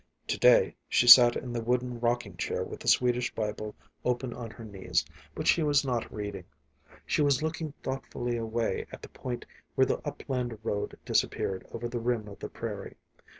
To day she sat in the wooden rocking chair with the Swedish Bible open on her knees, but she was not reading. She was looking thoughtfully away at the point where the upland road disappeared over the rim of the prairie.